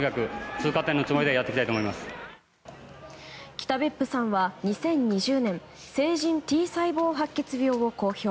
北別府さんは２０２０年成人Ｔ細胞白血病を公表。